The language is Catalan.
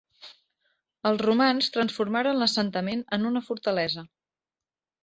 Els romans transformaren l'assentament en una fortalesa.